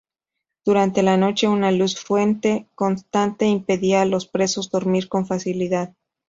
Durante la noche, una luz fuerte constante impedía a los presos dormir con facilidad.